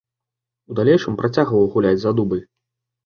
У далейшым працягваў гуляць за дубль.